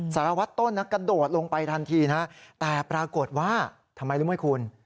สารวัตต้นกระโดดลงไปทันทีนะครับแต่ปรากฏว่าทำไมรึไม่คุณ